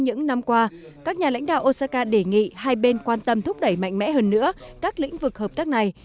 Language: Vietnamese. những năm qua các nhà lãnh đạo osaka đề nghị hai bên quan tâm thúc đẩy mạnh mẽ hơn nữa các lĩnh vực hợp tác này